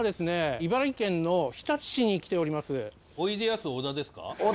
茨城県の日立市に来ております。